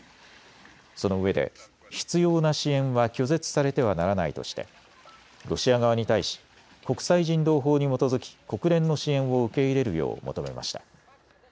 そのうえで必要な支援は拒絶されてはならないとしてロシア側に対し国際人道法に基づき国連の支援を受け入れるよう求めました。